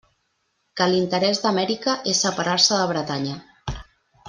Que l'interès d'Amèrica és separar-se de Bretanya.